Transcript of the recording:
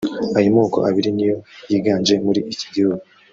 Ayo moko abiri niyo yiganje muri iki gihugu